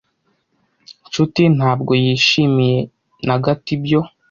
Nshuti ntabwo yishimiye na gato ibyo.